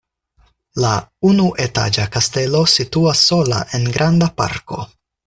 La unuetaĝa kastelo situas sola en granda parko.